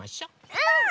うん！